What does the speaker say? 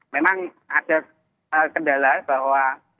memang ada kendala bahwa